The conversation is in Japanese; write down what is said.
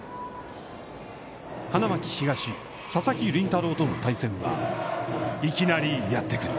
花巻東、佐々木麟太郎との対戦はいきなりやってくる。